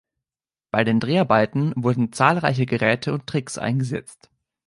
Bei den Dreharbeiten wurden zahlreiche Geräte und Tricks eingesetzt.